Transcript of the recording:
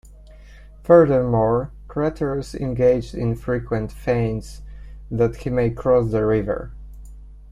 Furthermore, Craterus engaged in frequent feints that he may cross the river.